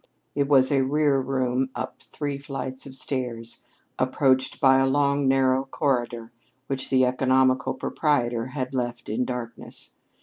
It was a rear room up three flights of stairs, approached by a long, narrow corridor which the economical proprietor had left in darkness.